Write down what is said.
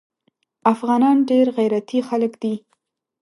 افغانان ډیر غیرتي خلک دي